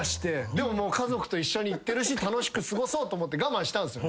でも家族と一緒に行ってるし楽しく過ごそうと思って我慢したんすよ。